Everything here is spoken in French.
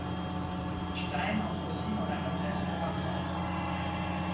Stein entre aussi dans la noblesse bavaroise.